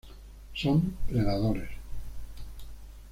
Son predadores.